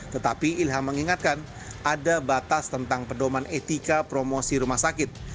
tetapi ilham mengingatkan ada batas tentang pedoman etika promosi rumah sakit